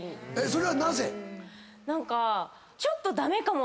それはなぜ？何か。